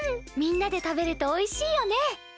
みんなで食べるとおいしいよね。